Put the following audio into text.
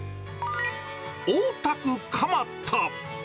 大田区蒲田。